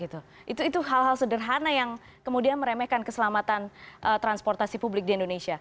itu hal hal sederhana yang kemudian meremehkan keselamatan transportasi publik di indonesia